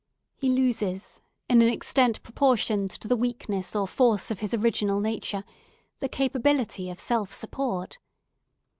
He loses, in an extent proportioned to the weakness or force of his original nature, the capability of self support.